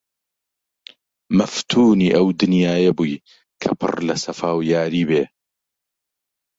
مەفتونی ئەو دنیایە بووی کە پڕ لە سەفا و یاری بێ!